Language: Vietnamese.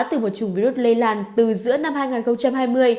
từ một chủng virus lây lan từ giữa năm hai nghìn hai mươi